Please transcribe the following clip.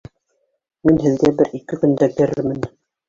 — Мин һеҙгә бер-ике көндән керермен